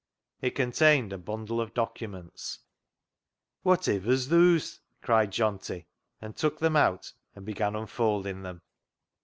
It contained a bundle of documents. " Whativer's thoos ?" cried Johnty, and took them out and began unfolding them.